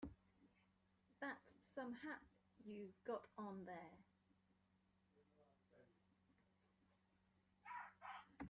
That's some hat you got on there.